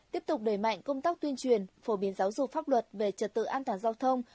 tiếp tục đẩy mạnh công tác tuyên truyền phổ biến giáo dục pháp luật về trật tự an toàn giao thông